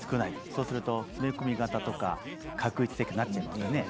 そうすると詰め込み型とか画一的になっちゃいます。